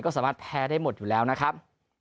ก็สามารถแพ้ได้หมดอยู่แล้วนะครับ